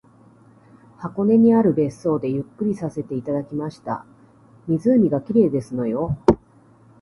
箱根にある別荘でゆっくりさせていただきました。湖が綺麗ですのよ